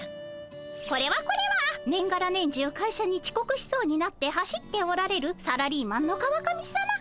これはこれは年がら年中会社にちこくしそうになって走っておられるサラリーマンの川上さま。